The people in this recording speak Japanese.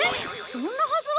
そんなはずは。